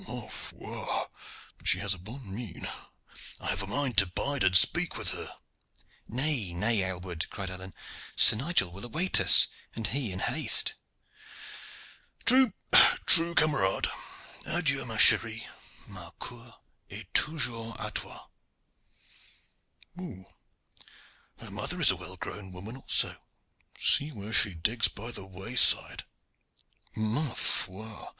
Ma foi! but she has a bonne mine. I have a mind to bide and speak with her." "Nay, nay, Aylward," cried Alleyne. "Sir Nigel will await us, and he in haste." "True, true, camarade! Adieu, ma cherie! mon coeur est toujours a toi. Her mother is a well grown woman also. See where she digs by the wayside. Ma foi!